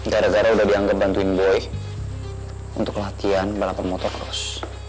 gara gara udah dianggap bantuin boy untuk latihan balapan motocross